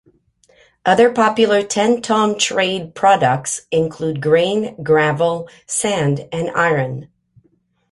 Other popular Tenn-Tom trade products include grain, gravel, sand, and iron.